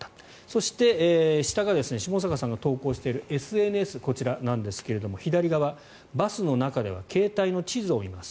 そして、下が下坂さんが投稿しているＳＮＳ、こちらなんですが左側バスの中では携帯の地図を見ます